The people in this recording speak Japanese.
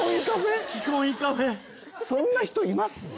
そんな人います？